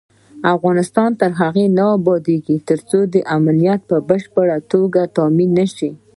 افغانستان تر هغو نه ابادیږي، ترڅو امنیت په بشپړه توګه تامین نشي.